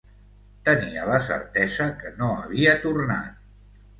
Tenia la certesa que no havia tornat...